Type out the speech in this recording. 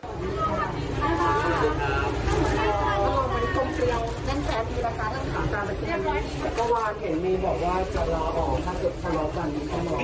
ไม่มีธรรมดาไม่ต้องไม่มี